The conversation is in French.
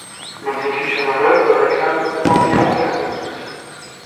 L'exécution de l'œuvre réclame environ quinze minutes.